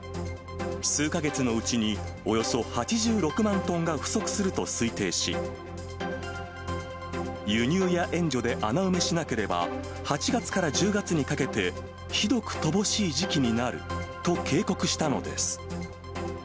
数か月のうちに、およそ８６万トンが不足すると推定し、輸入や援助で穴埋めしなければ、８月から１０月にかけて、ひどく乏しい時期になると警告したのです。